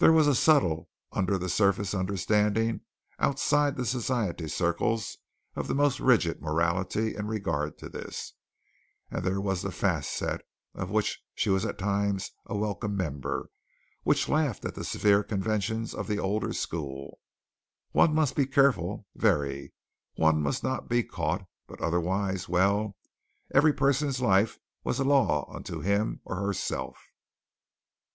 There was a subtle, under the surface understanding outside the society circles of the most rigid morality in regard to this, and there was the fast set, of which she was at times a welcome member, which laughed at the severe conventions of the older school. One must be careful very. One must not be caught. But, otherwise, well, every person's life was a law unto him or herself.